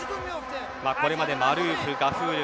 これまでマルーフ、ガフール